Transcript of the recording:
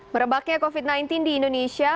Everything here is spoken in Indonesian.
merebaknya covid sembilan belas di indonesia